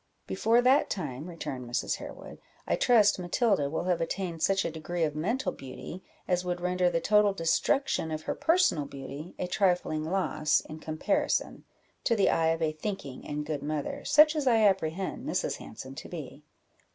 "Before that time," returned Mrs. Harewood, "I trust Matilda will have attained such a degree of mental beauty, as would render the total destruction of her personal beauty a trifling loss, in comparison, to the eye of a thinking and good mother, such as I apprehend Mrs. Hanson to be."